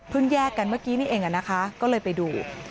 เพิ่งแยกกันเมื่อกี้นี่เองก็เลยไปดู